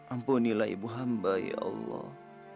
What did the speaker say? ampunilah ibu hamba ya allah